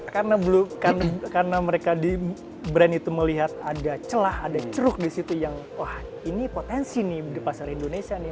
karena mereka di brand itu melihat ada celah ada ceruk di situ yang wah ini potensi nih di pasar indonesia nih